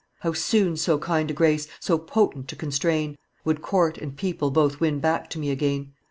How soon so kind a grace, so potent to constrain, Would court and people both win back to me again!